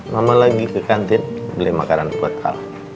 mama lagi ke kantin beli makanan buat al